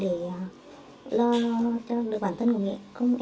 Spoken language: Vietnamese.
để lo cho được bản thân của mình